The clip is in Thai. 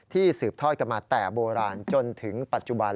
สืบทอดกันมาแต่โบราณจนถึงปัจจุบัน